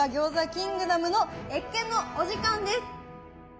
キングダムの謁見のお時間です。